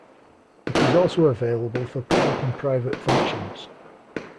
It is also available for public and private functions.